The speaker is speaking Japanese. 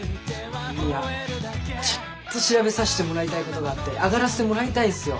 いやちょっと調べさしてもらいたいことがあって上がらせてもらいたいんすよ。